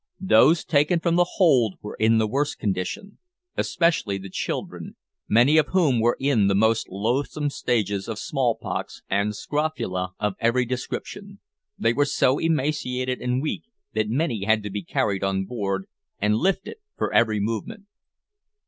Those taken from the hold were in the worst condition, especially the children, many of whom were in the most loathsome stages of smallpox, and scrofula of every description. They were so emaciated and weak that many had to be carried on board, and lifted for every movement.